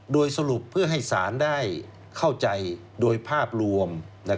โดยสรุปเพื่อให้ศาลได้เข้าใจโดยภาพรวม